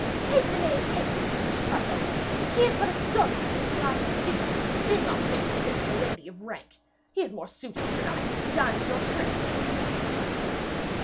'Take the knave hence!' she cried haughtily. 'He is but a scullion from King Arthur's kitchen, and is not fit to sit with a lady of rank. He is more suited, sir knight, to dine with your turnspits.'